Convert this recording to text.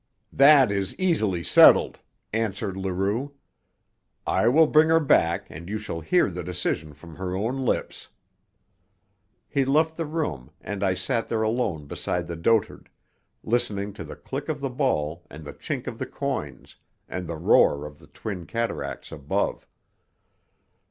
"That is easily settled," answered Leroux. "I will bring her back and you shall hear the decision from her own lips." He left the room, and I sat there alone beside the dotard, listening to the click of the ball and the chink of the coins, and the roar of the twin cataracts above.